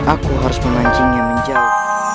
aku harus menanjingnya menjauh